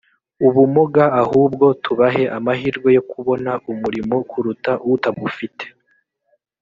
ubumuga ahubwo tubahe amahirwe yo kubona umurimo kuruta utabufite